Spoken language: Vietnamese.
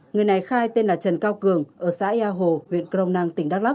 người này khai tên là trần cao cường ở xã ea hồ huyện krong nang tỉnh đắk lắc